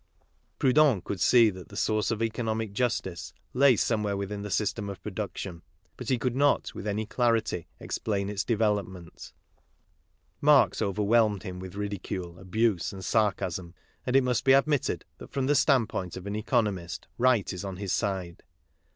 Proudhon could see that the source of economic injustice lay somewhere within the system of production, but he could not, with any clarity, explain its development. Marx overwhelmed him with ridicule, abuse, and sarcasm, and it must be admitted that from the standpoint of an economist, right is on his side.